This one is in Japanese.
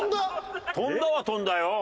飛んだは飛んだよ。